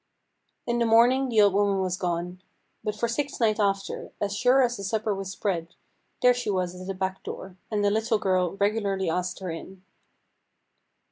In the morning the old woman was gone; but for six nights after, as sure as the supper was spread, there was she at the back door, and the little girl regularly asked her in.